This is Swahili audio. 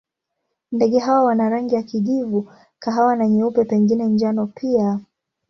Ndege hawa wana rangi za kijivu, kahawa na nyeupe, pengine njano pia.